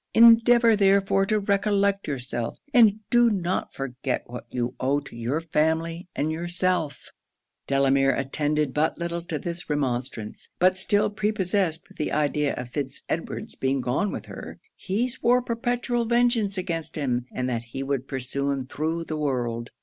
Endeavour therefore to recollect yourself, and do not forget what you owe to your family and yourself.' Delamere attended but little to this remonstrance; but still prepossessed with the idea of Fitz Edward's being gone with her, he swore perpetual vengeance against him, and that he would pursue him through the world.